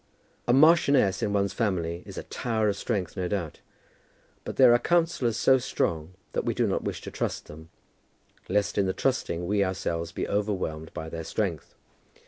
A marchioness in one's family is a tower of strength, no doubt; but there are counsellors so strong that we do not wish to trust them, lest in the trusting we ourselves be overwhelmed by their strength.